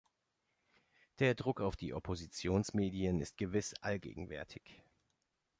Der Druck auf die Oppositionsmedien ist gewiss allgegenwärtig.